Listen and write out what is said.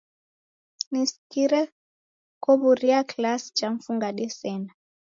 Nisikire kow'uria klasi cha mfungade sena